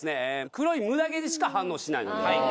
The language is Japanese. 黒いムダ毛にしか反応しないのではい